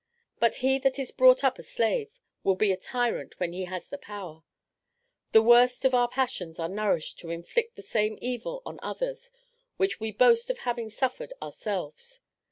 But he that is brought up a slave, will be a tyrant when he has the power; the worst of our passions are nourished to inflict the same evil on others which we boast of having suffered ourselves.